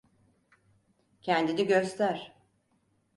Kendini göster!